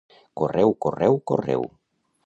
Correu, correu, correu!